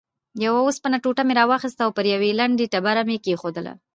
یوه اوسپنه ټوټه مې راواخیسته او پر یوې لندې ډبره مې کېښووله.